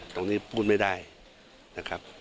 ตรงนี้พูดไม่ได้นะครับ